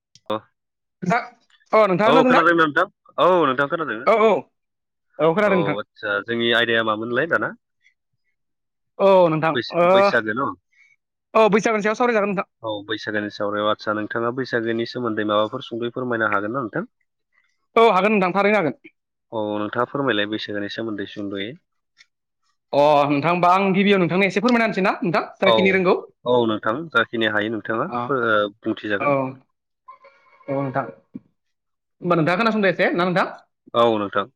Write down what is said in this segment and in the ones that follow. [unintelligible] अ नोंथाङा औ खोनादोंना नोंथां औ नोंथां खोनादोंनो औ औ खोनादों नोंथां औ आदसा जोंनि आयदाया मामोनलाय दाना औ नोंथां ओ बैसा बैसागो न औ बैसागोनि सायाव सावरायजागोन नोंथां औ बैसागोनि सावरयाव आतसा नोंथांङा बैसागोनि सोमोन्दै माबाफोर सुंदयै फोरमायनो हागोन ना नोंथां औ हागोन नोंथां थारैनो हागोन औ नोंथांङा फोरमायलाय बैसागोनि सोमोन्दै सुदयै अ नोंथां होमबा आं गिबिियाव नोंथांनो एसे फोरमायना होनसै ना नोंथां औ जाखिनि रोंगौ औ नोंथां जाखिनि हायो नोंथांङा अ औ बुंथिजागोन औ नोंथां होमबा नोंथांङा खोनासंदसै ना नोंथां औ नोंथां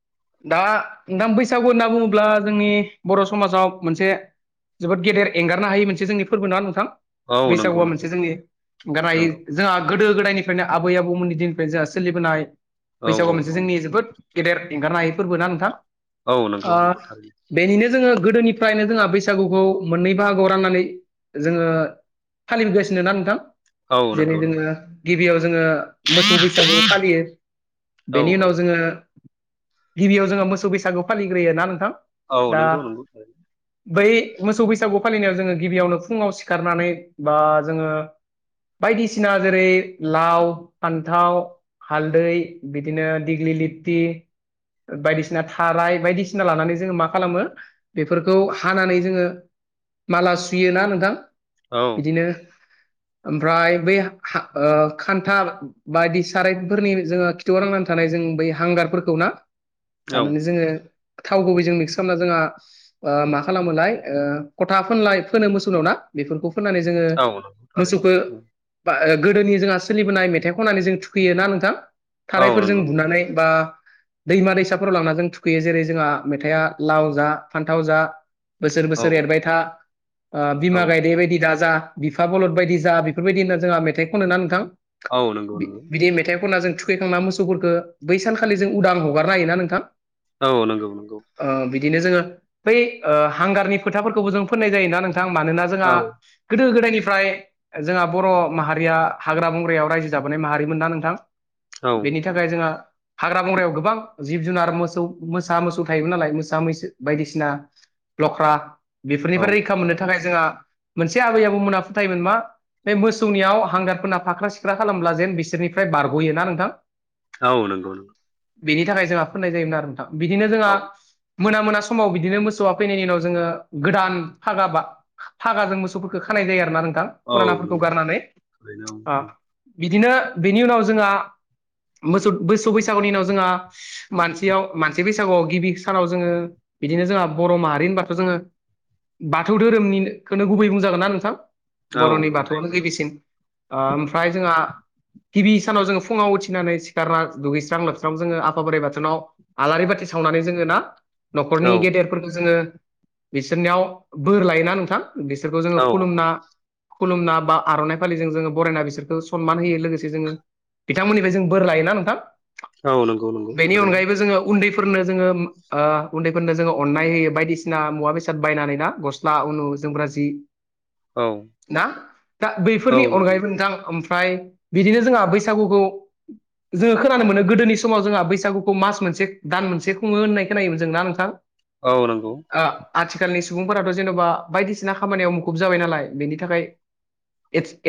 दा नोंथां बैसागु होनना बुंङोब्ला जोंनि बर' समाजाव मोनसे जोबोद गेदेर एंगनो हायो मोनसे जोंनि फोरबो नंङा नोंथां औ नंगौ बैसागुआ नंगौ मोनसे जोंनि गाननाय नंगौ जोंहा गोदो गोदायनिफ्रायनो आबै आबौमोननि दिननिफ्राय जोंहा सोलिबोनाय औ बैसागु औ मोनसे जोंनि जोबोद गेदेर एंगारनो हायैफोरबोना नोंथां औ ओ नंगौ नंगौ थारैनो बेनिनो जोंङो गोदोनिफ्रायनो जोंहा बैसागुखौ मोननै बाहागोआव राननानै जोंङो फालिबोगासिनो ना नोंथां औ जेरै नंगौ जोंङो नंगौ गिबियाव जोंङो मोसौ बैसागु फालियो औ बेनि औ उनाव जोंङो गिबियाव जोङो मोसौ बैसागु फालिग्रोयो ना नोंथां औ दा नंगौ नंगौ बै मोसौ बैसागु फालिनायाव जोङो गिबियावनो फुङाव सिखारनानै बा जोङो बायदिसिना जेरै लाव फान्थाव हालदै बिदिनो दिग्लि लिथि बायदिसिना थाराय बायदिसिना लानानै जोङो मा खालामो बेफोरखौ हानानै जोङो माला सुयो ना नोंथां औ बिदिनो ओमफ्राय बै खान्था बायदि साराय फोरनि जोङो खिथव रांनानै थानाय जों बै हांगारफोरखौ ना औ लानानै जोङो थाव गुबैजों मिक्स खामना जोंहा ओ मा खालामो मोनलाय ओ फथा फोनलाय फोनो मोसौनाव ना बेफोरखौ फनानै जोङो औ नंगौ मोसौखौ थारैनो बा गोदोनि जोंहा सोलिबोनाय मेथाइ खननानै जों थुखैयो ना नोंथां औ थारायफोरजों नंगौ नंगौ बुनानै बा दैमा दैसाफोराव लांनानै जों थुखैयो जेरै जोंहा मेथाइआ लाव जा फान्थाव जा बोसोर बोसोर औ एरबाय था औ बिमा गायनाय बायदि दाजा बिफा बलद बायदि जा बेफोरबायदि होनना जोंहा मेथाइखौ नुनानै नोंथां औ नंगौ नोंगौ ना जों थुखैखांना मोसौफोरखौ बैानखालि जों उदां हगारनो हायोना नोंथां औ नंगौ नंगौ ओ बिदिनो जोङो बै हांगारनि फोथाफोरखौबो जों फोननाय जायोना नों मानोना जोंहा औ गोदो गोदायनि निफ्राय जोंहा बर' माहारिया हाग्रा बंग्रायाव रायजो जाबोनाय माहारिमोन ना नोंथां औ बेनि थाखाय जोंहा हाग्रा बंग्रायाव गोबां जिब जुनार मोसौ मोसा मोसौ थाय नालाय मोसा मैसो बायदिसिना लख्रा औ बेफोरनिफ्राय रैखा मोननो थाखाय जोंहा मोनसे आबै आबौमोना फोथायोमोन मा बे मोसौनियाव हांगारफोरना फाख्रा सिख्रा खालामब्ला जेन बिसोरनिफ्राय बारग'योना नोंथां औ नंगौ नौ बेनि थाखाय जोंहा फोननाय जायोमोन आरो नोंथां बिदिनो जोंहा औ मोना मोना समाव बिदिनो मोसौआ फैनायनि उनाव जोङो गोदान फागा बा फागा जों मोसौफोरखौ ख [unintelligible] औ पुरानाफोरखौ नंगौ गारनानै थारैनो ओ बिदिनो बिनोनि उनाव जोंहा मोसौ बोसौ बैसागुनि उनाव जोंहा मानसेयाव मानसे बैसागुआव गिबि सानाव जोङो बिदिनो जोंहा बर' माहारिनि बाथौ जोङो बाथौ धोरोमनि बेनो गुबै बुंजागोन नना नोंथां औ बर'नि बाथौआनो गिबिसिन ओमफ्राय जोंहा हबि सानाव जोङो फुङाव उथिनानै सिखारना दुगैस्रां लोबस्रां जोङो आफा बोराइ बाथौोनाव आलारि बाथि सावनानै जोङो न'खरनि औ गेदेरफोरखौ जोङो बिसोरनियाव बोर लायोना नोंथां बिसोरखौ जोङो औ खुलुमना खुलुमना बा आर'नाइ फालिजों जोङो बरायना बिसोरखौ सनमान होयो लोगोसे जोङो बिथांमोननिफ्राय जों बोर लायोना नोंथां औ नंगौ नंगौ बेनि थारैनो अनगायैबो जोङो उन्दै फोरनो जोङो उन्दैफोरनो जोङो अननाय होयो बायदिसिना मुवा बेसाद बायनानै ना गस्ला उनु जोमग्रा जि औ दा औ बैफोरनि नंगौ अनगायैबो नोंथां ओमफ्राय बिदिनो जोंहा बैस बैसागुखौ जोङो खोनानो मोनो गोदोनि समाव जोंहा बैसागुखौ मास मोनसे दान मोनसे खुङो होननाय खोनोमोन जोंना नोंथां औ नंगौ आ आथिखालनि सुबुंफोराथ' जेन'बा बायदिसिना खामानियाव मुखुब जाबाय नालाय बेनि थाखाय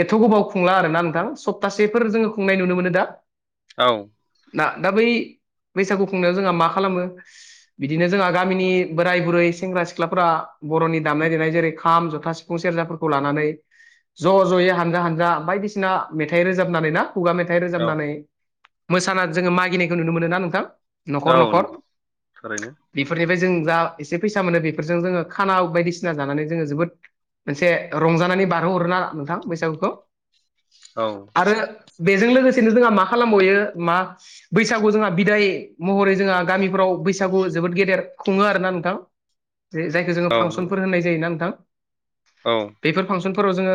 एथ' गोबाव खुंला आरोना नोंथां सप्तासेफोर जोङो खुंनाय नुनो मोनो दा औ ना दा बै बैसागु खुंनायाव जोंहा मा खालामो बिदिनो जोंहा गामिनि बोराय बुरै सेंग्रा सिख्लाफोरा बर'नि दामनाय देनाय जेरै खाम जथा सिफुं सेरजाफोरखौ लानानै ज' ज'यै हानजा हानजा बायदिसिना मेथाइ रोजाबनानै ना खुगा मेथाइ औ रोजाबनानै मोसाना जोङो मागिनायखौ नुनो मोनो ना नोंथां न'खर औ न'खर नंगौ थारैनो बेफोरनिफ्राय जों जा एसे फैसा मोनो बेफोरजों जोङो खाना बायदिसिना जानानै जोङो जोबोद मोनसे रंजानानै बारहोहरो ना नोंथां बैसागुखौ औ आरो बेजों लोगोसेनो जोंहा मा खालामबयो मा बैसागु जोंहा बिदाय महरै जोंहा गामिफ्राव बैसागु जोबोद गेदेर खुङो आरो ना नोंथां जायखौ जोङो औ नंगौ फांसनफोरनाय जायोना नोंथां औ बेफोर फांसन फोराव जोङो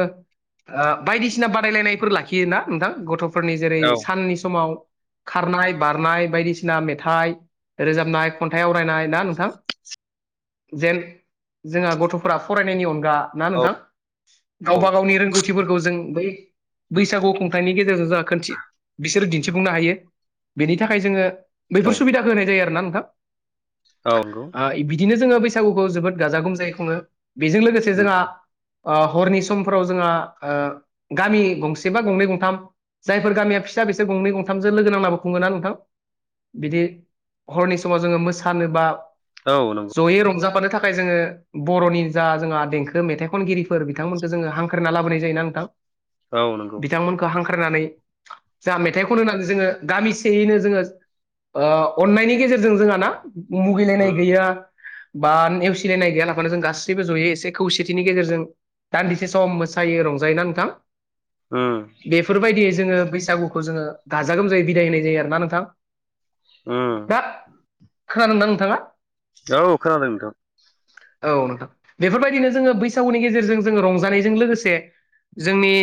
बायदिसिना बादायलायनायफोर लाखियोोना नोंथां गथ' फोरनि जेरै औ साननि समाव खारनाय बारनाय बायदिसिना मेथाइ रोजाबनाय खन्थाइ आवरायनाय ना नोंथां जेन जोंहा गथ'फोरा फरायनायनि अनगा ना नोंथां औ गावबा गावनि रोंगौथिफोरखौ जों बै बैसागु खं नि गेजेरजों जों खथि बिसोरो दिन्थिफुंनो हायो बेनि थाखाय जोङो बैफोर औ सुबिदाखौ होनाय जायो आरो ना नोंथां औ नंगौ औ बिदिनो जोङो बैसागुखौ जोबोद गाजा गोमजायै खुङो बेजों लोगोसे जोंहा हरनि समफोराव जोंहा गामि गंसे बा गंनै गंसे थाम जायफोर गामिया फिसा बिसोर गंनै गंथामजों लोगो नांनाबो खुङोना नोंथां बिदि हरनि समाव जोङो मोसानोबा नंगौ जयै रंजााबानो नि थाखाय जोङो बर'नि जा जोंहा देंखो मेथाइ खनगिरिफोर बिथांमोनखौ जोङो हांख्रायना लाबोनाय जायोना नोंथां औ नंगौ बिथांमोनखौ हांख्रायनानै जों मेथाइ खनो होननानै जोङो गामिसेयैनो जोङो अन्नायनि गेजेरजों जोंहा ना मुगैलायनाय उम गैया बा नेवसिलायनाय गैयालाफानो जों गासैबो ज'यै एसे खौसेथिनि गेजेरजों दान्दिसे सम मोसायो रंजायोना नोंथां उम बेफोरबायदियै जोङो बैसागुखौ जोङो गाजा गोमजायै बिदाय होनाय जायो आरो ना नोंथां उम हाब खोनादों ना नोंथाङा औ खोनादों नोंथां औ नोंथां बेफोरबायदिनो जोङो बैसागुनि गेजेरजों जोङो रंजानायजों लोगोसे जोंनि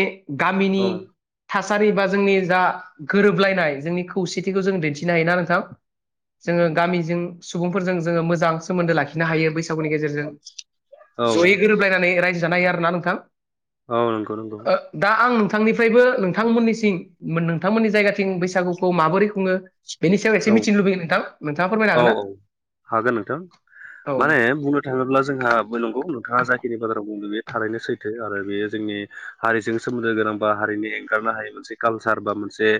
गामिनि औ थासारि बा जोंनि जा गोरोबलायनाय जोंनि खौसेथिखौ जों दिन्थिनो हायोना नोंथां जोङो गामिजों सुबुंफोरजों जोङो मोजां सोमोन्दो लाखिनो हायो बैसागुनि गेजेरजों गेजेरजों जयै औ गोरोबलायनानै रायजो जानायायो आरोना नोंथां औ नंगौ नंगौ ओ दा आं नोंथांनिफ्रायबो नोंथांमोननिसिं नोंथांमोननि जायगाथिं बैसागुखौ माबोरै बुङ बेनिायाव एसे औ मिथिनो लुबैयो नोंथां नोंथाङा फोरमायनो औ हागोन ना औ हागोन नोंथां औ माने नोंथां बुंनो थाङोब्ला जोंहा बय नंगौ नोंथ [unintelligible] जाखिनि बाजाराव बुंदों बेयो थारैनो सैथो आरो बेयो जोंनि हारिजों सोमोन्दो गोनांबा हारिनि एंगार ह मोनसे कालसार बा मोनसे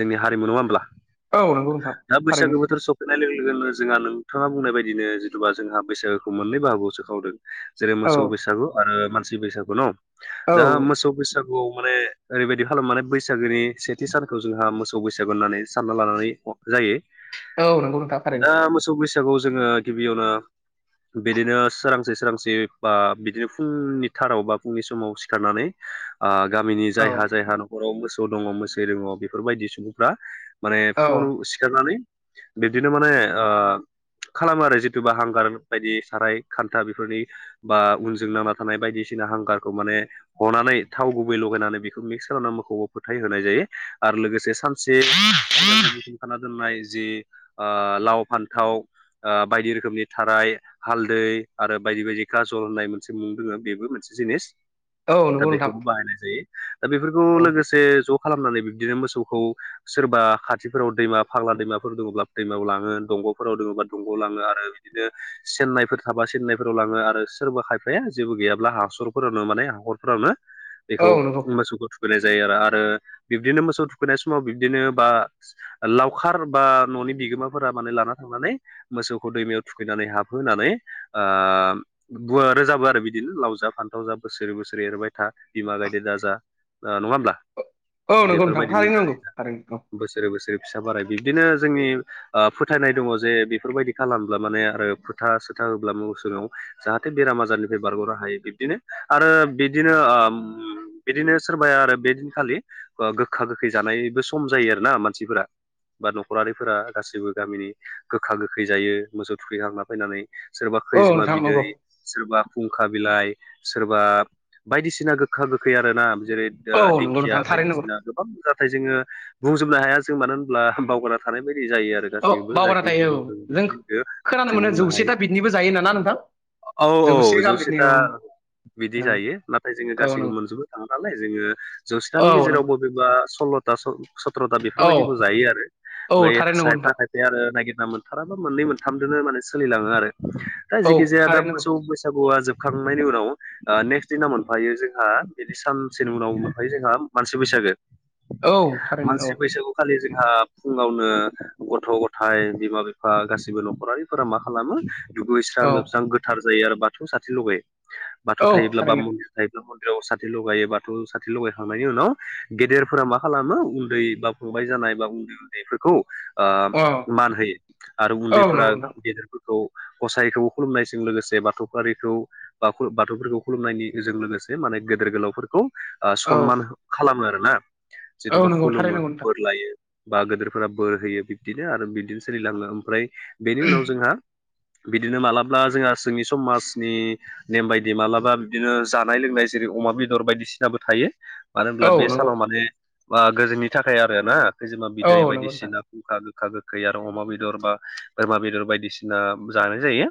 जोंनि हारिमु नङा होमब्ला औ नंगौ नोंथां दा बैसागो थारैनोसै बोथोर लोगो सफैनाय लोगोनो जोंहा नोंथाङा बुंनाय बायदिनो जिथुुबा जोंहा बैसागोखौ मोननै बाहागोआवसो खावदों जेरै औ मोसौ बैसागु आरो मानसि बैसागु न औ दा मोसौ बैसागु माने ओरैबायदि खालामो माने बैसागोनि सेथि सानखौ जोंहा मोसौ बैसागु होननानै सानना लानानै जायो औ नंगौ नोंथां थारैनो दा मोसौ बैसागआव जोङो गिबियावनो बिदिनो सोरांसे सोरांसे बा बिदिनो फुंनि थाराव बा फुंनि समाव सिखारनानै गामिनि औ जायहा जायहा न'खराव मोसौ दङ मोसौ दङ बेफोरबायदि सुबुंफ्रा माने औ फुङाव सिखारनानै बिबदिनो माने ओ खालामो आरो जिथुुबा हांगार बायदि साराय खानथा बेफोरनि बा उनजों नांना थानाय बायदिसिना हांगारखौ माने हनानै थाव गुबै लगायनानै बेखौ मिक्स खालामनानै मोखौखौ फोथा होनाय जायो आरो लोगोसे सानसे सुखाना दोननाय जि लाव फानथाव आ बायदि रोखोमनि थाराय हालदै आरो बायदि बायदि खाजल होननाय मोनसे मुं दोङो बेबो मोनसे जिनिस औ दा नंगौ नोंथां बेखौबो बाहायनाय जायो दा बेफोरखौ औ लोगोसे ज' खालामनानै बिबदिनो मोसौखौ सोरबा खाथिफोराव दैमा फाग्ला दैमाफोर दङब्ला दैमायाव लाङो दंग'फोराव दङ बा दंग'याव लाङो आरो बिदिनो चेन्नाइफोर थाबा चेन्नाइफोराव लाङो आरो सोरबा खायफाया जेबो गैयाब्ला हाखरफोरावनो माने हाखरफोरावनो बेखौ औ नंगौ मोसौखौ थुखैनाय जायो आरो आरो बिबदिनो मोसौ थुखैनाय समाव बिबदिनो बा लावखार बा न'नि बिगोमाफोरा माने लाना थांनानै मोसौखौ दैमायाव थुखैनानै हाबह [unintelligible] होनानै आ बुवा रोजाबो आरो बिदिनो लाव जा फानथाव जा बोसोरै बोसोरै एरबाय था बिमा गायदे दाजा नङा होमब्ला औ नंगौ नोंथां बेफोरबायदि थारैनो नंगौ मोजाङै जा थारैनो औ बोसोरै बोसोरै फिसा बाराय बिब्दिनो जोंनि फोथायनाय दङ जे बेफोरबायदि खालामब्ला माने आरो फोथा सोथा होब्ला मोसौनियाव जाहाथे बेराम आजारनिफ्राय बारग'नो हायो बिब्दिनो आरो बिदिनो ओ बिदिनो सोरबाया आरो बेदिनखालि गोखा गोखै जानायबो सम जायो आरोना मानसिफोरा बा न'खरारिफोरा गासैबो गामिनि गोखा गोखै जायो मोसौ थुखैखांना फैनानै सोरबा औ खैजिमा नोंथां बिदै नंगौ सोरबा फुंखा बिलाइ सोरबा बायदिसिना गोखा गोखा खै आरोना जेरै औ नंगौ दिंखिया नोंथां थारैनो नंगौ बायदिसिना गोबां जााथथाय जोङो बुंजोबनो हाया जों मानो होनब्ला बावगारना थानाय बायदि जायो आरो औ गासैबो बावगारना जाखिनि थायो औ मनाव दों जों बेखाय बे खोनानो जों मोनो बुंनो हायो जौसेथा बिदनिबो जायो नामा नोंथां औ औ गाहाम जौसे बिदनि था औ बिदि औ जायो नाथाय जोङो औ नंगौ गासैखौबो मोनजोबो थाङो नालाय जोङो जौसेथानि औ गेजेराव नंगौ बबेबा सल्ल' था सत्र'था औ बेफोरबायदिखौ जायो आरो औ ओमफ्राय थारैनो नंगौ सायफा नोंथां खायफा आरो नागिरना मोनथाराबा मोननै मोनथामजोंनो माने सोलिलाङो आरो। दा औ जेखिजाया दा थारैनो नंगौ मोसौ बैसागुया जोब खांनायनि उनाव नेक्स्ट दिना मोनफायो जोंहा बिदि सानसेनि उनाव मोनफैयो जोंहा मानसि बैसागो औ थारैनो औ मानसि बैसागु खालि जोंहा गावनो गथ' गथाइ बिमा बिफा गासिबो न'खरारिफोरा मा खालामो दुगैस्रां औ लोबस्रां गोथार जायो आरो बाथौ सासे लगायो बाथौ औ थायोब्ला बा थारैनो मनदिर थायोब्ला। साथि लगायो बाथौ साथि लगायखांनायनि उनाव गेदेरफोरा मा खालामो उनदै बा फंबाय जानाय उनदै उनदैफोरखौ औ मान होयो आरो औ उनदैफोरा नंगौ नोंथां गेदेर औ गसाइखौ खुलुमनायजों लोगोसे बाथौयारिखौ बा बाथौफोरखौ खुलुमनायनि जों लोगोसे माने गेदिर गोलावफोरखौ औ सनमान खालामो आरोना। औ जथ'बा नंगौ खुलुमो थारैनो नंगौ नोंथां बोर लायो। बा गदोरफोरा बोर होयो बिबदिनो आरो बिबदिनो सोलिलाङो। ओमफ्राय बेनि उनाव जोंहा बिदिनो मालाबा जोंहा जोंनि समाजनि नेम बायदि मालाबा बिदिनो जानाय लोंनाय जेरै अमा बेदर बायदिसिनाबो थायो। मानो होनब्ला औ बे नंगौ सानाव माने गोजोननि थाखाय आरो ना खैजोमा औ बिदै नंगौ नोंथां बायदिसिना खुंखा गोखा गोखै आरो अमा बेदर बा बोरमा बेदर बायदिसिना जानाय जायो।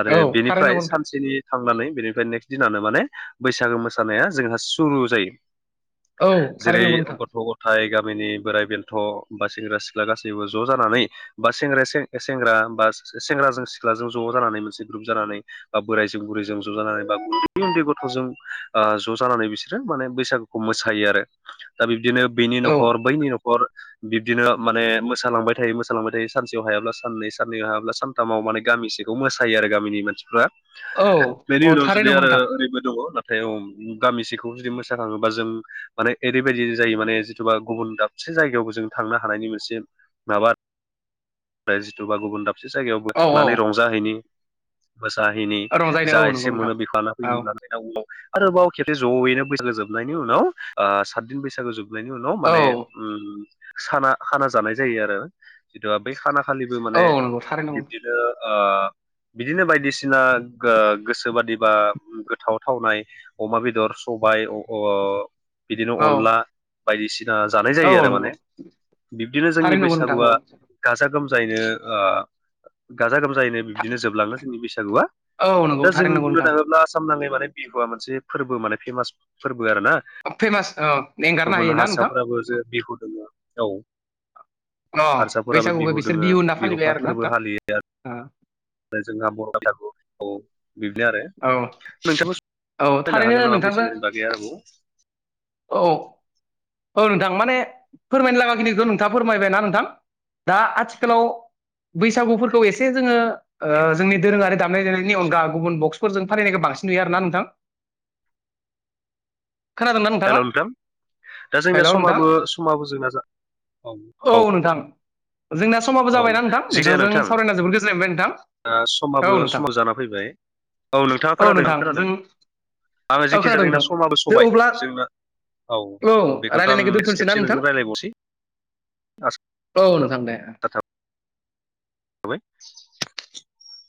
आरो औ थारैनो बेनिफ्राय नंगौ नोंथां सानसेनि थांनानै बेनिफ्राय नेक्स्ट दिनानो माने बैसागो मोसानाया जोंहा सुरु जायो। औ जेरै थारैनो नंगौ नोंथां गथ' ग'थाय गामिनि बोराय बेनथ' बा सेंग्रा सिख्ला गासैबो ज' जानानै बा सेंग्रा बा सेंग्राजों सिख्लाजों ज' जानानै मोनसे ग्रुप जानानै बा बोराइजों बुरैजों ज' जानानै बा उनदै उनदै गथ'जों ज' जाना नानै बिसोरो माने बैसागुखौ मोसायो आरो दा बिबदिनो बेनि औ न'खर बैनि न'खर बिब्दिनो माने मोसालांबाय थायो मोसालांबाय थायो सानसेयाव हायाब्ला साननै साननैयाव हायाब्ला सानथामाव माने गामिसिम खौ मोसायो आरो गामिनि मानसिफ्रा औ बेनि औ उनाव थारै जुदि नंगौ आरो नोंथां ओरैबो दङ'। गामिसेखौ जुदि मोसाखाङोबा जों माने ओरैबायदि जायो माने जिथुबा गुबुन दाबसे दाबसे जायगायावबो जों थांनो हानायनि मोनसे माबा जिथुबा गुबुन से जायगायाव औ औ थांनानै रंजाहैनि मोसाहैनि रंजायनो जा औ नंगौ एसे नोंथां मोनो बिफाना औ फैनि होनानाय दा [unintelligible] आरोबाव खेबसे जयैनो बैसागो जोबनायनि उनाव ओ सातदिन बैसागो जोब नायनि उनाव औ माने उम साना खाना जानाय जायो आरो। जिथु बै खाना खालिबो औ माने नंगौ थारै नंगौ बिब्दिनो ओ बिदिनो बायदिसिना गो गोसो बादि बा गोथाव थावनाय अमा बेदर स बाइ अ-अ बिदिनो औ अनला बायदिसिना जानाय औ जायो आरो नंगौ माने। बिब्दिनो जोंनि थारै नंगौ नोंथां बैसागुआ औ गाजा गाजा गोमजायैनो गाजा गोमजायैनो था बिबदिनो जोबलाङो जोंनि बैसागुआ औ नंगौ दा थारै जोङो नंगौ बुंनो नोंथां थाङोब्ला आसाम नाङै माने बिहुआ मोनसे फोरबो माने फेमास फोरबो आरोना फेमास औ एंगारनो गुबुन हायो ना नोंथां हारसाफ्राबो जे बिहु दङो। औ अ हारसाफोराबो बैसागुखौ बिहु बिसोर दोङो होनना बिहु फालिबाय फा आरोना फोरबो नोंथां फालियो। ओ जोंहा [inaudible] बाथाखौ औ बिदिनो आरो नोंथांखौ औ [inaudible] थारैनो हागोन नामा नोंथांजों बैसागोनि बागै आरोबाव औ औ नोंथां माने फोरमायनो लागाखिनिखौ नोंथाङा फोरमायबाय ना नोंथां। दा आथिखालाव बैसागुफोरखौ एसे जोङो ओ जोंनि दोरोङारि दामनाय देनायनि अनगा गुबुन बक्स फोरजों फालियनायखौ बांसिन नुयो आरोना नोंथां। खोनादोंना नोंथाङा? हेल' नोंथां दा जोंनिया हेलौ नोंथां समाबो समाबो जोंना जा औ औ। जोंना समाबो जाबायना नोंथां नोंथांजों सावरायना जोबोद गोजोननाय मोनबाय नोंथां। दा औ समाबो नोंथां समा जाना फैबाय औ नोंथाङा खोनादों आं नोंथां खोनादों। जों आङो औ जेखि जाया खोनादों जोंना नोंथां समाबो दे सबाय अब्ला जोंना। औ बेखौथ' आं रायलायनायखौ नेक्स दोनथ'नोसै ना खेबसे नों नोंथां रायज्लायबावसै आ औ नोंथां दे। [unintelligible]